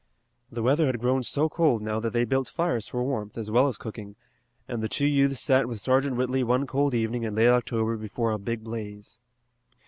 The weather had grown so cold now that they built fires for warmth as well as cooking, and the two youths sat with Sergeant Whitley one cold evening in late October before a big blaze.